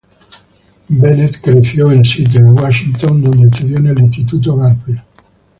Bennett creció en Seattle, Washington, donde estudió en el Instituto Garfield.